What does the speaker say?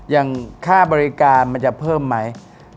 อย่างค่าบริการมันจะเพิ่มไหม